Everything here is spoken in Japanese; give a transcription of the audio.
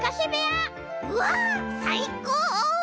「うわっさいこう！」。